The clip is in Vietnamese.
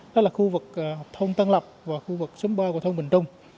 đó là khu vực thôn tần lập và khu vực xâm ba của thôn bình trung